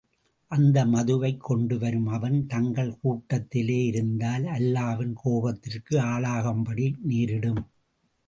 அந்த மதுவைக் கொண்டுவரும் அவன் தங்கள் கூட்டத்திலே இருந்தால், அல்லாவின் கோபத்திற்கு ஆளாகும்படி நேரிடும்.